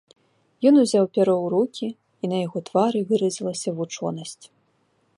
Ён узяў пяро ў рукі, і на яго твары выразілася вучонасць.